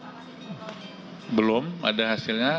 ya belum ada hasilnya